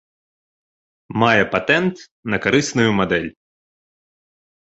Мае патэнт на карысную мадэль.